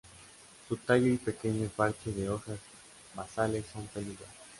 Su tallo y pequeño parche de hojas basales son peludas.